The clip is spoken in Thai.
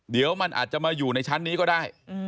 เดี๋ยวมันอาจจะมาอยู่ในชั้นนี้ก็ได้